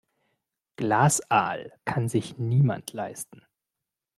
Glasaal kann sich niemand leisten.